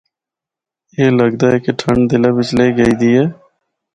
اے لگدا اے کہ ٹھنڈ دلّا بچ لِہہ گئی دی اے۔